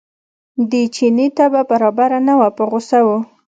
د چیني طبع برابره نه وه په غوسه و.